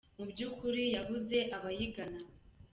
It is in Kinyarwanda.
mu by’ukuri yabuze abayigana.